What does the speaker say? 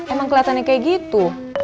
emang keliatannya kayak gitu